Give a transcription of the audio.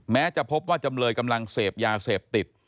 แม้จะพบว่าจำเลยกำลังเสพยาเสพติด